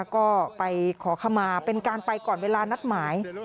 ก็ไปขอขมาเป็นการไปก่อนเวลานัดหมาย